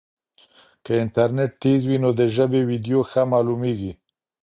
که انټرنیټ تېز وي نو د ژبې ویډیو ښه معلومېږي.